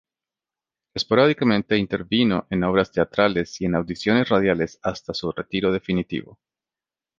Esporádicamente intervino en obras teatrales y en audiciones radiales hasta su retiro definitivo.